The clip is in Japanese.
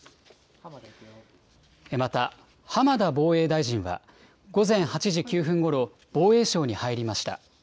また、浜田防衛大臣は、午前８時９分ごろ、防衛省に入りました。